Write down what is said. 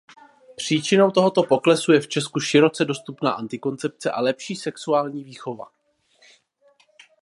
Příčinou tohoto poklesu je v Česku široce dostupná antikoncepce a lepší sexuální výchova.